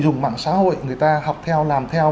dùng mạng xã hội người ta học theo làm theo